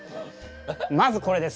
まずこれです。